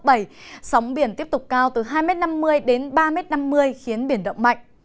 giờ này sóng biển tiếp tục cao từ hai m năm mươi đến ba m năm mươi khiến biển động mạnh